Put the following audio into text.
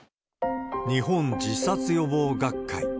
日本自殺予防学会。